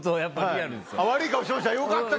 悪い顔してました？